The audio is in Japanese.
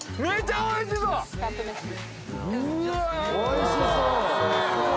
おいしそう！